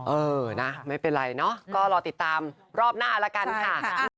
เออนะไม่เป็นไรเนาะก็รอติดตามรอบหน้าละกันค่ะ